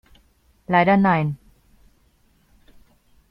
Leider nein.